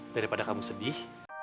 daripada kamu sedih